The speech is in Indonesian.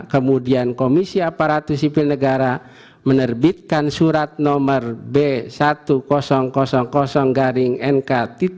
kemudian komisi aparatus sipil negara menerbitkan surat nomor b seribu nk satu tiga dua ribu dua puluh empat